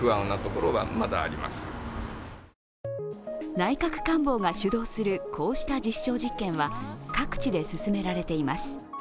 内閣官房が主導するこうした実証実験は各地で進められています。